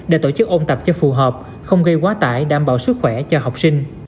để tổ chức ôn tập cho phù hợp không gây quá tải đảm bảo sức khỏe cho học sinh